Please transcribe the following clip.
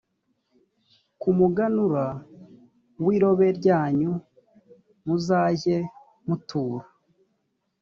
ku muganura w irobe ryanyu muzajye mutura